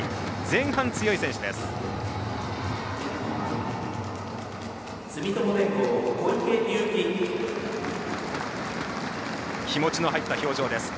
前半強い選手です。